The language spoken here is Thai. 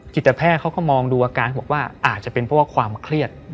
จิตแพทย์เขาก็มองดูอาการบอกว่าอาจจะเป็นเพราะว่าความเครียด